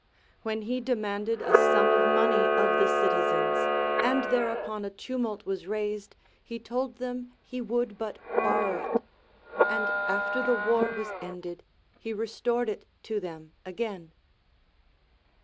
When he demanded a sum of money of the citizens, and thereupon a tumult was raised, he told them he would but borrow it ; and after the war was ended, he restored it to them again.